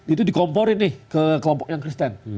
itu dikomporin nih ke kelompok yang kristen